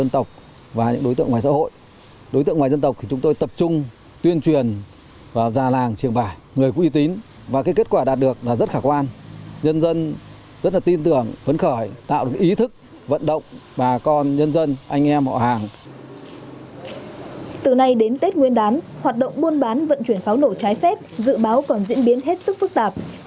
từ nay đến tết nguyên đán hoạt động buôn bán vận chuyển pháo nổ trái phép dự báo còn diễn biến hết sức phức tạp